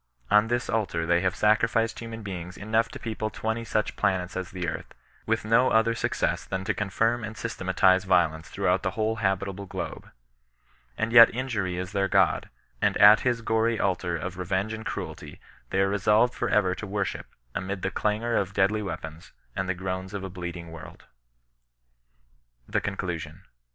On this altar they have sacrificed human beings enough to people twenty such planets as the earth, with no other success than to confirm and systematize violence throughout the whole habitable globe. And yet injury is their god, and at his gory altar of revenge and cruelty they are resolved for ever to worship, amid the clangor of deadly weapons, and the groans of a bleeding world. THE CONCLUSION.